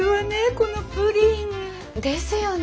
このプリン！ですよね！